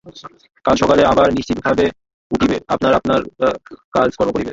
কাল সকালে আবার নিশ্চিন্তভাবে উঠিবে, আপনার আপনার কাজকর্ম করিবে।